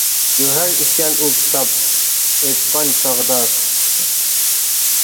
گۆھەر ئىكەن ئۇ كىتاب، ئېيتقان چاغدا قىسقىسى.